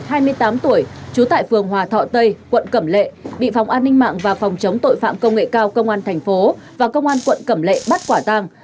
hai mươi tám tuổi trú tại phường hòa thọ tây quận cẩm lệ bị phòng an ninh mạng và phòng chống tội phạm công nghệ cao công an thành phố và công an quận cẩm lệ bắt quả tang